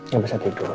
gak bisa tidur